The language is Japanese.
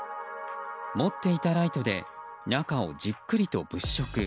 持っていたライトで中をじっくりと物色。